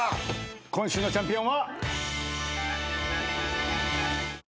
今週のチャンピオンは。